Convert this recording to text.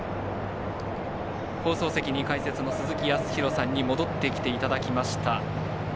放送席に解説の鈴木康弘さんに戻ってきていただきました。